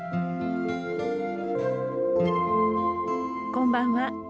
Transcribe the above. こんばんは。